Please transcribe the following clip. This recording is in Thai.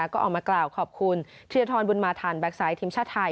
ก็ออกมากล่าวขอบคุณเจธรบุญมาธรแบ็คไซต์ทีมชาติไทย